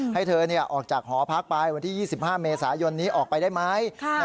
ให้เธอออกจากหอพักไปวันที่๒๕เมษายนนี้ออกไปได้ไหม